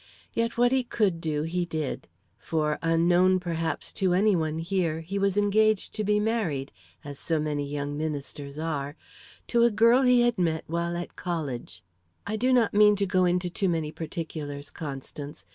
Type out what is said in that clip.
Yet what he could do he did; for, unknown, perhaps, to any one here, he was engaged to be married, as so many young ministers are, to a girl he had met while at college. "I do not mean to go into too many particulars, Constance.